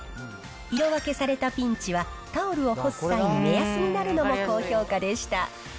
色分けされたピンチは、タオルを干す際に目安になるのも高評価でした。